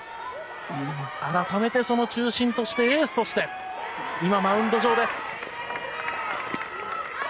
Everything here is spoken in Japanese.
改めてその中心としてエースとして今マウンド上です。